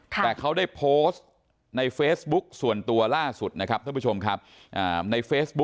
แต่เขาได้โพสต์ในเฟซบุ๊กส่วนตัวล่าสุดนะครับท่านผู้ชมครับในเฟซบุ๊